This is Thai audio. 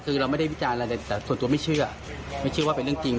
คือเราไม่ได้วิจารณ์อะไรเลยแต่ส่วนตัวไม่เชื่อไม่เชื่อว่าเป็นเรื่องจริง